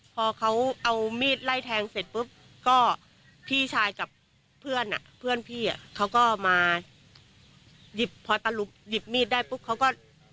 พอเขาเอามีดไล่แทงเสร็จปุ๊บก็พี่ชายกับเพื่อนอ่ะเพื่อนพี่อ่ะเขาก็มาหยิบพอตะลุบหยิบมีดได้ปุ๊บเขาก็